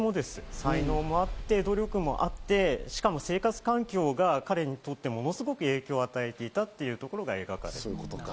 才能もあって、努力もあって、しかも生活環境がすごく彼に大きな影響を与えていたということが描かれています。